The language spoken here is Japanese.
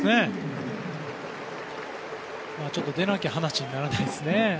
ちょっと、出なきゃ話にならないですね。